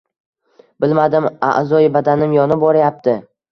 Bilmadim, a’zoyi badanim yonib borayapti.